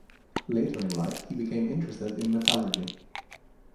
Later in life he became interested in metallurgy.